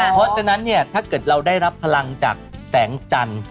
เพราะฉะนั้นเนี่ยถ้าเกิดเราได้รับพลังจากแสงจันทร์